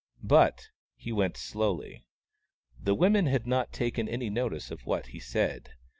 But he went slowly. The women had not taken any notice of what he said.